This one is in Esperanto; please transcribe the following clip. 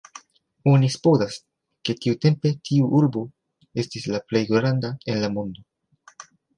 Oni supozas, ke tiutempe tiu urbo estis la plej granda en la mondo.